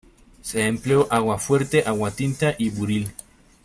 Se empleó aguafuerte, aguatinta y buril.